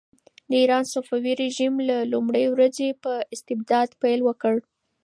د ایران صفوي رژیم له لومړۍ ورځې په استبداد پیل وکړ.